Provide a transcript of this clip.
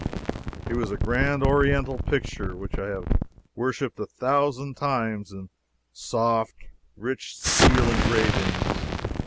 Here was a grand Oriental picture which I had worshiped a thousand times in soft, rich steel engravings!